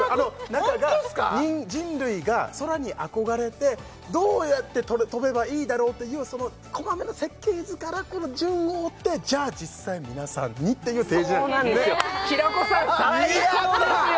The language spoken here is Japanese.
中が人類が空に憧れてどうやって飛べばいいだろうっていうその設計図からくる順を追ってじゃ実際皆さんにっていう提示そうなんですよ平子さん最高ですよ！